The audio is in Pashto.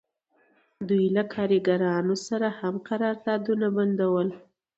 دوی له کارګرانو سره هم قراردادونه بندول